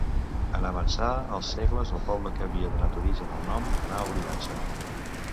En avançar els segles, el poble que havia donat origen al nom anà oblidant-se.